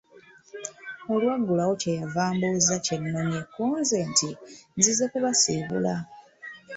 Olwaggulawo kye yava ambuuza kye nnonye ko nze nti nzize kubasiibula.